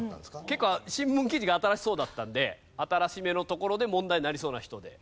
結構新聞記事が新しそうだったんで新しめのところで問題になりそうな人で。